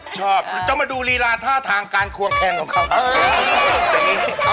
ชอบจะมาดูลีลาท่าทางการควงแขนของเขา